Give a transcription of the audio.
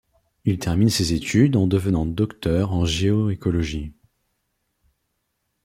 Il termine ses études en devenant docteur en géoécologie.